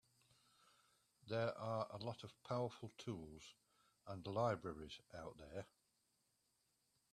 There are a lot of powerful tools and libraries out there.